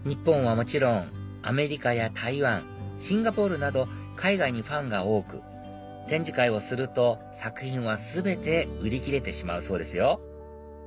もちろんアメリカや台湾シンガポールなど海外にファンが多く展示会をすると作品は全て売り切れてしまうそうですよ